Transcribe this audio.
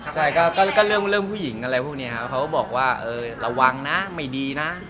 ใช่ก็เรื่องผู้หญิงอะไรพวกนี้ครับเขาก็บอกว่าเออระวังนะไม่ดีนะ